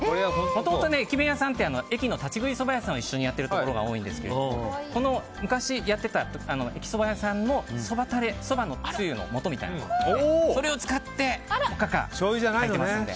もともと駅弁屋さんって駅の立ち食いそばやさんを一緒にやってるところが多いんですけど、昔やってた駅そば屋さんのそばタレそばのつゆのもとみたいなそれを使っておかかを炊いていますので。